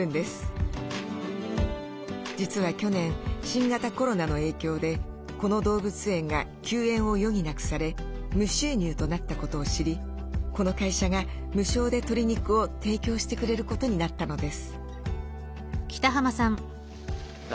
実は去年新型コロナの影響でこの動物園が休園を余儀なくされ無収入となったことを知りこの会社が無償で鶏肉を提供してくれることになったのです。